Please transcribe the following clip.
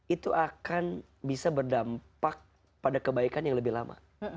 itu akan bisa berdampak pada kebaikan yang lebih lama